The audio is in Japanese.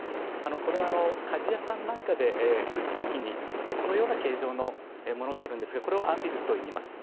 これは鍛冶屋さんなんかで打つ時にこのような形状のものがあるんですがこれをアンビルといいます。